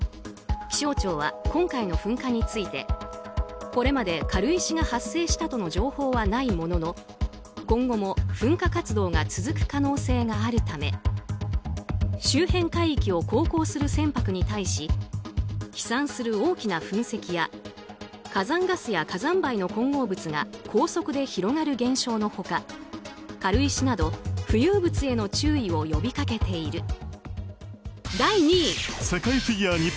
気象庁は今回の噴火についてこれまで軽石が発生したとの情報はないものの今後も噴火活動が続く可能性があるため周辺海域を航行する船舶に対し飛散する大きな噴石や火山ガスや火山灰の混合物が高速で広がる現象の他軽石など、浮遊物への注意を呼びかけている。